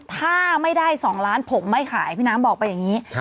ถ้าไม่ได้๒ล้านผมไม่ขายพี่น้ำบอกไปอย่างนี้